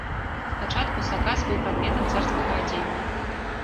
Спачатку сакас быў прадметам царскага адзення.